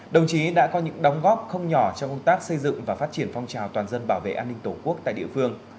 đồng chí đã có những đóng góp không nhỏ trong công tác xây dựng và phát triển phong trào toàn dân bảo vệ an ninh tổ quốc tại địa phương